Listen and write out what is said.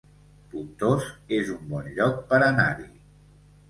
Pontós es un bon lloc per anar-hi